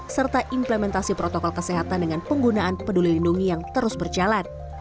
serta implementasi protokol kesehatan dengan penggunaan peduli lindungi yang terus berjalan